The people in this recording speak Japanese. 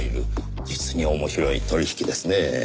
実に面白い取引ですねぇ。